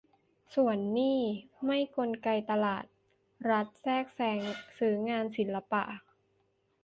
ส่วนนี่ไม่กลไกตลาด รัฐแทรกแซง ซื้องานศิลปะ